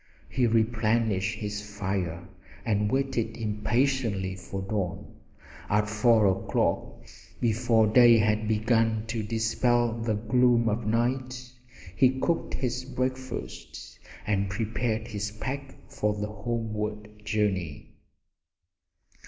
He replenished his fire and waited impatiently for dawn. At four o'clock, before day had begun to dispel the gloom of night, he cooked his breakfast and prepared his pack for the homeward journey.